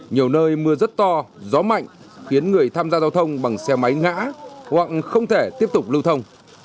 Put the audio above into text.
nhiều nơi mưa rất to gió mạnh khiến người tham gia giao thông bằng xe máy ngã hoặc không thể tiếp tục lưu thông